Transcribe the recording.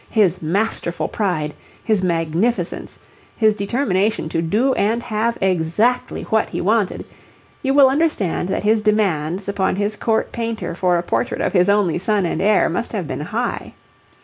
his masterful pride, his magnificence, his determination to do and have exactly what he wanted, you will understand that his demands upon his court painter for a portrait of his only son and heir must have been high.